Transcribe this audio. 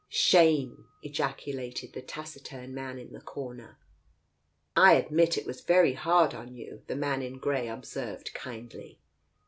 "Shame I " ejaculated the taciturn man in the corner. " I admit it was hard on you," the man in grey observed kindly.